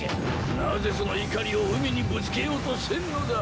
なぜその怒りを海にぶつけようとせんのだ。